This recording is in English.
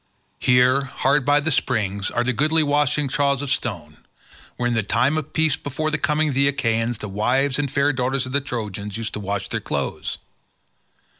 Here, hard by the springs, are the goodly washing troughs of stone, where in the time of peace before the coming of the Achaeans the wives and fair daughters of the Trojans used to wash their clothes.